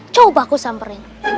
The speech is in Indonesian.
coba aku samperin